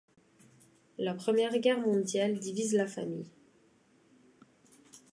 La première guerre mondiale divise la famille.